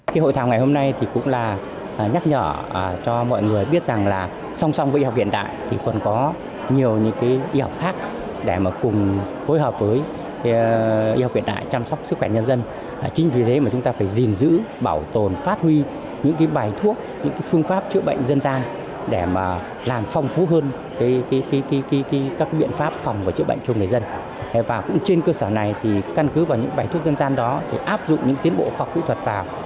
điều này thì căn cứ vào những bài thuốc dân gian đó thì áp dụng những tiến bộ khoa học kỹ thuật vào